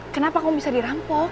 kenapa kamu bisa dirampok